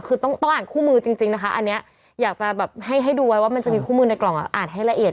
คือต้องอ่านคู่มือจริงนะคะอันนี้อยากจะแบบให้ดูไว้ว่ามันจะมีคู่มือในกล่องอ่านให้ละเอียด